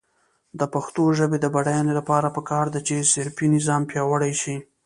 د پښتو ژبې د بډاینې لپاره پکار ده چې صرفي نظام پیاوړی شي.